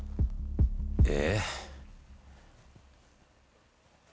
え。